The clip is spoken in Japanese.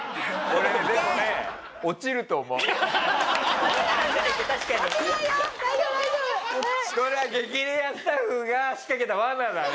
俺落ちると思うよ。